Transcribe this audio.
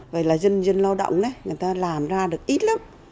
vậy là dân dân lao động người ta làm ra được ít lắm